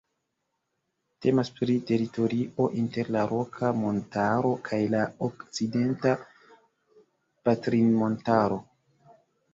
Temas pri teritorio inter la Roka Montaro kaj la Okcidenta Patrinmontaro.